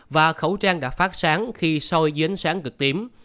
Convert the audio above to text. và khẩu trang đã phát sáng khi soi dưới ánh sáng cực tím